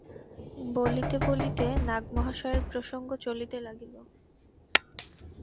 বলিতে বলিতে নাগ-মহাশয়ের প্রসঙ্গ চলিতে লাগিল।